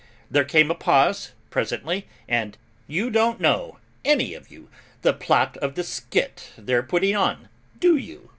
There came a pause, presently, and "You don't any of you know the plot of the skit they're putting on, do you?"